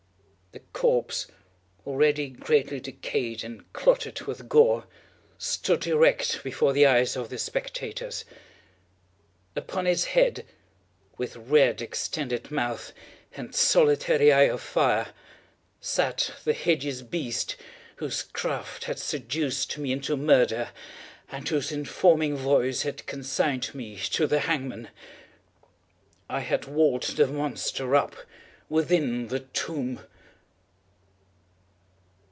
The corpse, already greatly decayed and clotted with gore, stood erect before the eyes of the spectators. Upon its head, with red extended mouth and solitary eye of fire, sat the hideous beast whose craft had seduced me into murder, and whose informing voice had consigned me to the hangman. I had walled the monster up within the tomb!